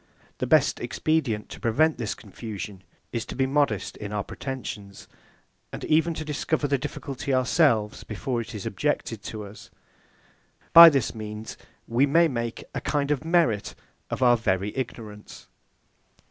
The best expedient to prevent this confusion, is to be modest in our pretensions; and even to discover the difficulty ourselves before it is objected to us. By this means, we may make a kind of merit of our very ignorance.